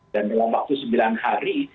dan dalam waktu sembilan hari